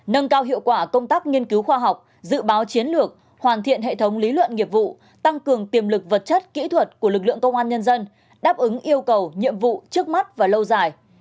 nâng cao hiệu quả công tác nghiên cứu khoa học dự báo chiến lược hoàn thiện hệ thống lý luận nghiệp vụ tăng cường tiềm lực vật chất kỹ thuật của lực lượng công an nhân dân đáp ứng yêu cầu nhiệm vụ trước mắt và lâu dài